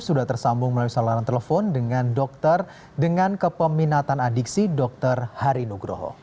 sudah tersambung melalui saluran telepon dengan dokter dengan kepeminatan adiksi dr hari nugroho